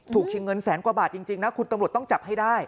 ชิงเงินแสนกว่าบาทจริงนะคุณตำรวจต้องจับให้ได้